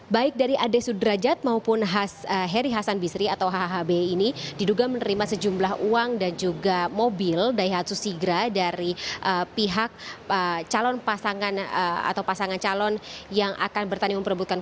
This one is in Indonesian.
baik dari ade sudrajat maupun heri hasan bisri atau hhb ini diduga menerima sejumlah uang dan juga mobil daihatsu sigra dari pihak calon pasangan atau pasangan calon yang akan bertanding memperbutkan